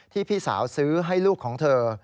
พี่สาวซื้อให้ลูกของเธอ